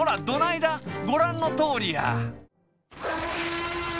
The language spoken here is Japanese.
ごらんのとおりや。